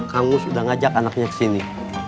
kamu sudah ngajak anaknya ke sini